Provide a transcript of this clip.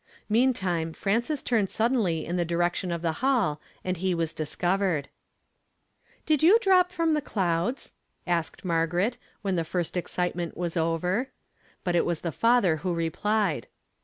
Meantime Frances turned suddenly in the direction of the hall and he was disnnvercd. "Did you drop from the clouds? " asked Mar ii n 344 YESTERDAY FRAMED IN TO DAY. garet, when the first excitement was over. But it was the father who replied.